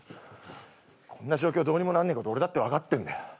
こんな状況どうにもなんねえこと俺だって分かってんだよ。